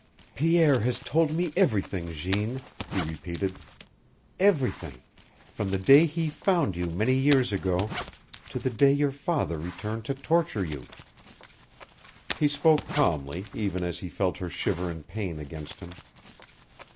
"Pierre has told me everything, Jeanne," he repeated. "Everything from the day he found you many years ago to the day your father returned to torture you." He spoke calmly, even as he felt her shiver in pain against him.